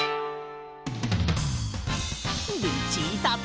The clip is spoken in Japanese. ルチータと。